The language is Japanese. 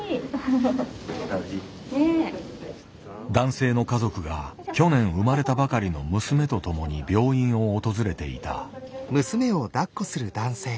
男性の家族が去年生まれたばかりの娘と共に病院を訪れていた。